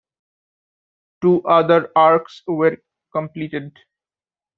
Two other arcs were completed.